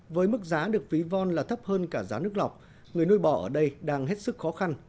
với mức giá được ví von là thấp hơn cả giá nước lọc người nuôi bò ở đây đang hết sức khó khăn